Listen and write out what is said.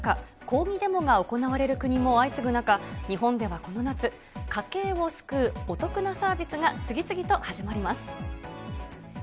抗議デモが行われる国も相次ぐ中、日本ではこの夏、家計を救うお得なサービスが次々と始まります。